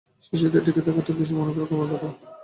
শীর্ষ স্তরে টিকে থাকাটাই বেশি মনে করেন কর্মকর্তারা।